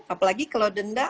apalagi kalau denda